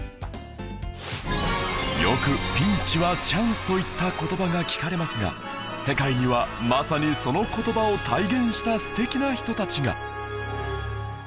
よく「ピンチはチャンス」といった言葉が聞かれますが世界にはまさにその言葉を体現した素敵な人たちが